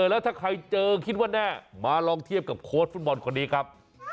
แล้วถ้าใครเจอคิดว่าแน่มาลองเทียบกับโค้ชฟุตบอลคนนี้ครับ